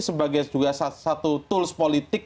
sebagai juga satu tools politik